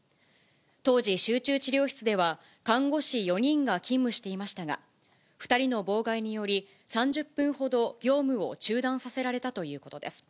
当時、集中治療室では看護師４人が勤務していましたが、２人の妨害により、３０分ほど業務を中断させられたということです。